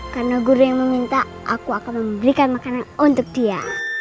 karena guru yang meminta aku akan memberikan makanan untuk dia